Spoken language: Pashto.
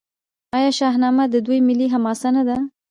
آیا شاهنامه د دوی ملي حماسه نه ده؟